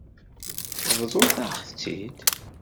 Bḍut-aɣ-tt-id.